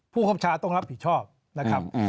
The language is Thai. คับชาต้องรับผิดชอบนะครับ